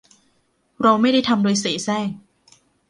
เราไม่ได้ทำโดยเสแสร้ง